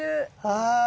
はい。